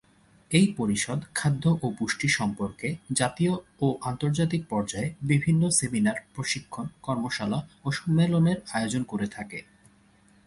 এই পরিষদ খাদ্য ও পুষ্টি সম্পর্কে জাতীয় ও আন্তর্জাতিক পর্যায়ে বিভিন্ন সেমিনার, প্রশিক্ষণ, কর্মশালা ও সম্মেলনের আয়োজন করে থাকে।